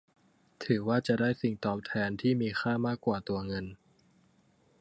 ถือว่าจะได้รับสิ่งตอบแทนที่มีค่ากว่าตัวเงิน